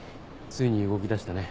ついに動きだしたね。